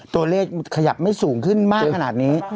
ตัวเลขขยับไม่สูงขึ้นมากขนาดนี้